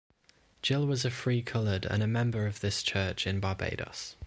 Gill was a Free Coloured and a member of this church in Barbados.